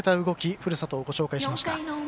ふるさとをご紹介しました。